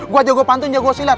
gue jago pantun jago silat